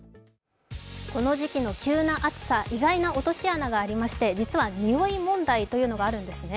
この時期の急な暑さ、意外な落とし穴がありまして実はにおい問題というのがあるんですね。